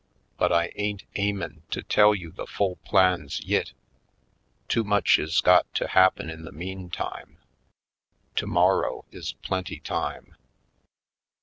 But I ain't aimin' to tell you the full plans yit — too much is got to happen in the meantime. Tomor row is plenty time."